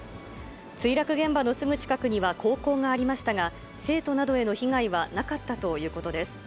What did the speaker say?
墜落現場のすぐ近くには高校がありましたが、生徒などへの被害はなかったということです。